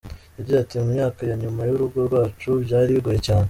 Yagize ati “Mu myaka ya nyuma y’urugo rwacu, byari bigoye cyane.